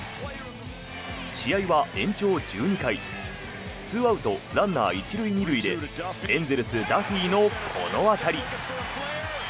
試合は延長１２回２アウト、ランナー１塁２塁でエンゼルス、ダフィーのこの当たり。